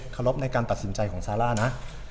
เคารพในการตัดสินใจของซาร่านะ